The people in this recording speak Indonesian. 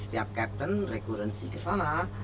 setiap kapten rekurensi ke sana